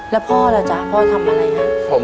แล้วพ่อล่ะจ๊ะพ่อทำอะไรฮะ